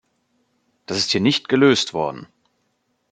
Das ist hier nicht gelöst worden.